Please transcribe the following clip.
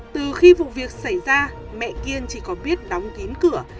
từ khi vụ việc xảy ra mẹ kiên chỉ còn biết đóng kín cửa